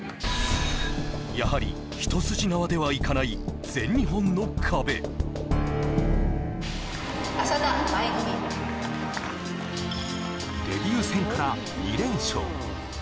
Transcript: やはり一筋縄ではいかない浅田舞組デビュー戦から２連勝